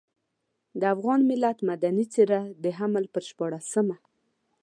د افغان ملت مدني څېره د حمل پر شپاړلسمه.